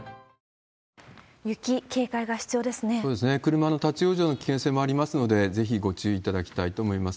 車の立往生の危険性もありますので、ぜひご注意いただきたいと思います。